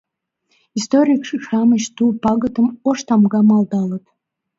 Историк-шамыч ту пагытым «ош тамга» малдалыт.